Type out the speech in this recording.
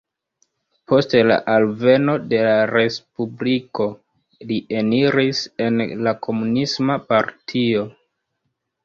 Post la alveno de la Respubliko li eniris en la Komunisma Partio.